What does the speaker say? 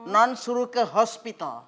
nuan suruh ke hospital